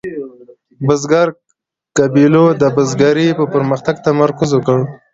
بزګرو قبیلو د بزګرۍ په پرمختګ تمرکز وکړ.